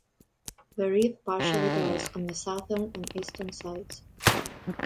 The reef partially dries on the southern and eastern sides.